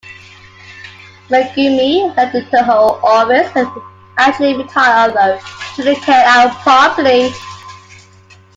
Megumi left the Toho-Office and actually retired, although she didn't carry it out properly.